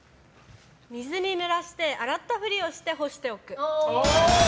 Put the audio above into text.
水にぬらして洗ったふりをして干しておく。